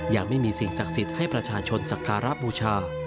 ยังไม่มีสิ่งศักดิ์สิทธิ์ให้ประชาชนสักการะบูชา